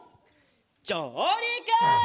じょうりく！